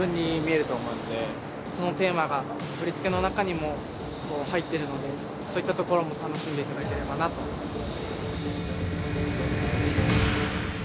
そのテーマが振り付けの中にも入ってるのでそういったところも楽しんでいただければなと思います。